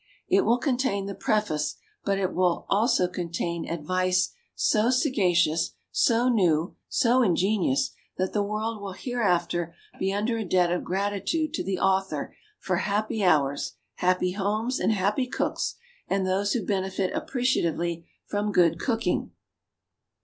It will contain the preface, but it will also contain advice so sagacious, so new, so ingenius, that the world will hereafter be under a debt of gratitude to the author for happy hours, happy homes, and happy cooks and those who benefit appreciatively from good cook ing.